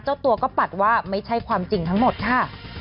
เจ้าตัวก็ปัดว่าไม่ใช่ความจริงทั้งหมดค่ะ